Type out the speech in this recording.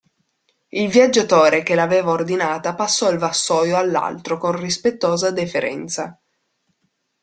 Il viaggiatore che l'aveva ordinata passò il vassoio all'altro con rispettosa deferenza.